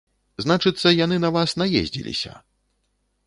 Значыцца, яны на вас наездзіліся?